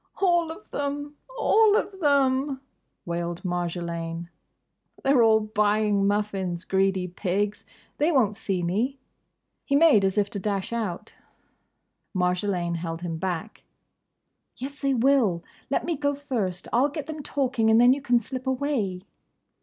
"All of them! All of them!" wailed Marjolaine. "They 're all buying muffins—greedy pigs!—They won't see me." He made as if to dash out. Marjolaine held him back. "Yes, they will. Let me go first. I'll get them talking, and then you can slip away."